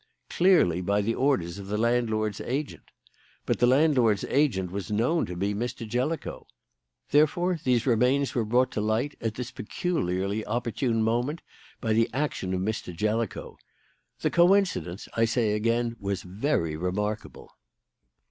Clearly by the orders of the landlord's agent. But the landlord's agent was known to be Mr. Jellicoe. Therefore these remains were brought to light at this peculiarly opportune moment by the action of Mr. Jellicoe. The coincidence, I say again, was very remarkable.